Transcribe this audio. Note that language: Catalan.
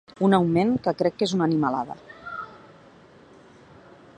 Un augment que crec que és una animalada.